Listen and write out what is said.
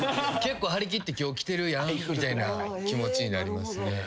結構張り切って今日きてるやんみたいな気持ちになりますね。